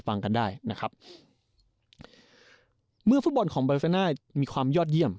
ฟังกันได้นะครับเมื่อฟุตบอลของมีความยอดเยี่ยม